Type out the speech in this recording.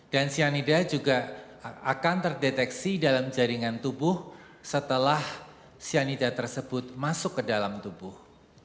dan cyanida juga akan terdeteksi dalam jaringan tubuh setelah cyanida tersebut masuk ke dalam tubuh